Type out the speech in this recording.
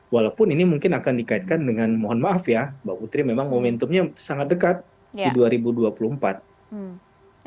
walaupun ini mungkin akan dikaitkan dengan mohon maaf ya mbak putri memang momentumnya sangat dekat di dua ribu dua puluh empat